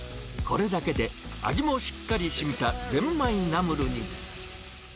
これだけで味もしっかりしみたぜんまいナムルに。